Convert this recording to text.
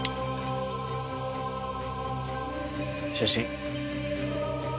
写真。